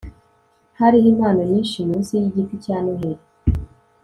hariho impano nyinshi munsi yigiti cya noheri